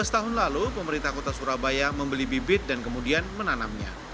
tujuh belas tahun lalu pemerintah kota surabaya membeli bibit dan kemudian menanamnya